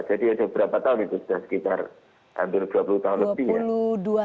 ada berapa tahun itu sudah sekitar hampir dua puluh tahun lebih ya